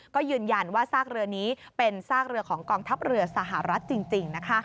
ก็ยืนยันว่าซากเรือนี้เป็นซากเรือของกองทัพเรือสหรัฐจริงนะคะ